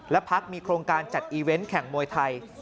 และพักมีโครงการจัดอีเวนต์แข่งมวยไทย